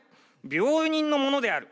病人のものである。